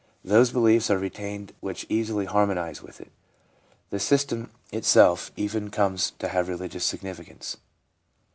Those beliefs are retained which easily harmonise with it. The system itself even comes to have religious significance.